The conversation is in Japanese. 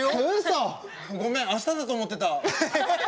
ごめん、あしただと思ってた！